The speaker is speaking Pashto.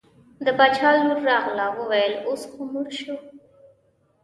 د باچا لور راغله وویل اوس خو مړ شو.